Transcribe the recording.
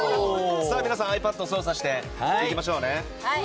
皆さんｉＰａｄを操作して行きましょう。